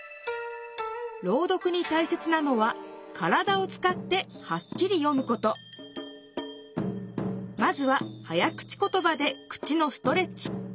朗読にたいせつなのは体をつかってはっきり読むことまずは早口ことばで口のストレッチ。